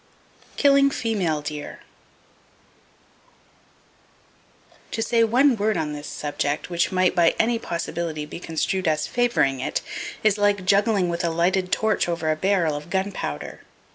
Killing Female Deer. —To say one word on this subject which might by any possibility be construed as favoring it, is like juggling with a lighted torch over a barrel of gunpowder.